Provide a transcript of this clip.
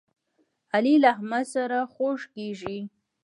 علي له احمد سره خوږ کېږي.